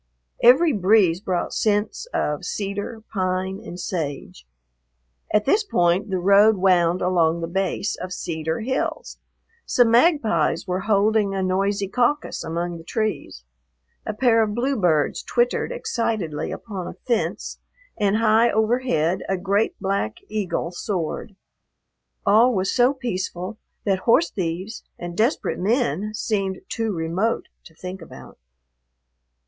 Every breeze brought scents of cedar, pine, and sage. At this point the road wound along the base of cedar hills; some magpies were holding a noisy caucus among the trees, a pair of bluebirds twittered excitedly upon a fence, and high overhead a great black eagle soared. All was so peaceful that horse thieves and desperate men seemed too remote to think about.